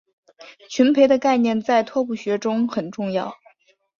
群胚的概念在拓扑学中很重要。